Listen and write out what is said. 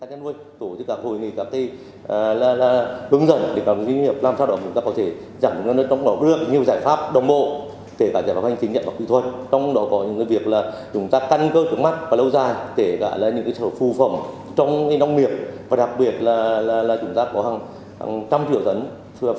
hàng trăm triệu tấn phụ phẩm nông nghiệp của chúng ta đang tính nữa